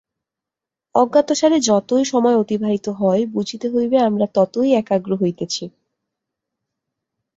অজ্ঞাতসারে যতই সময় অতিবাহিত হয়, বুঝিতে হইবে, আমরা ততই একাগ্র হইতেছি।